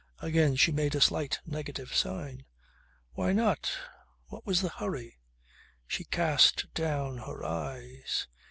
Again she made a slight negative sign. "Why not? What was the hurry?" She cast down her eyes.